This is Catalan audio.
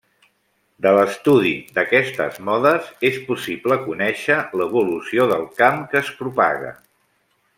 De l'estudi d'aquestes modes és possible conèixer l'evolució del camp que es propaga.